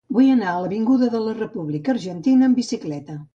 Vull anar a l'avinguda de la República Argentina amb bicicleta.